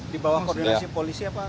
di bawah koordinasi polisi apa